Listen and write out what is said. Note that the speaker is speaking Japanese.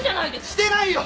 してないよ！